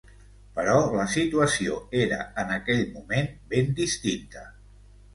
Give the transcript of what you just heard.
Però la situació era en aquell moment ben distinta.